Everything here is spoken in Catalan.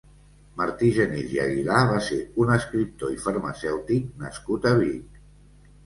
Martí Genís i Aguilar va ser un escriptor i farmacèutic nascut a Vic.